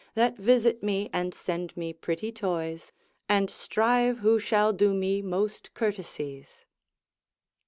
That visit me, and send me pretty toys, And strive who shall do me most courtesies.